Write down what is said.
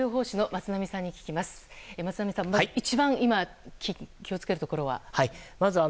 松並さん、まず一番今気を付けるところは？